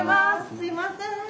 すいません。